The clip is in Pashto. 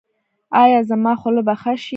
ایا زما خوله به ښه شي؟